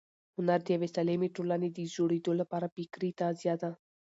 هنر د یوې سالمې ټولنې د جوړېدو لپاره فکري تغذیه ده.